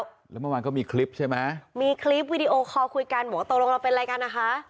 แล้วแล้วเมื่อวานก็มีคลิปใช่มั้ยมีคลิปวีดีโอคอลคุยกันโหตกลงเราเป็นรายการอ่ะฮะ